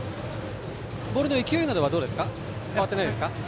ボールの勢いなどは変わってないですか？